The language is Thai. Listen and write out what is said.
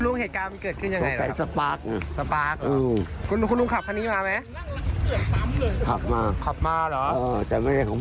ลุงเหตุการณ์มันเกิดขึ้นยังไงครับตรงไกลสปาร์คสปาร์คคุณลุงขับคันนี้มาไหมขับมาขับมาเหรอแต่ไม่ใช่ของผม